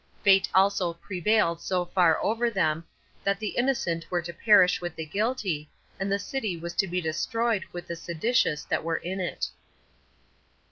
Fate also prevailed so far over them, that the innocent were to perish with the guilty, and the city was to be destroyed with the seditious that were in it.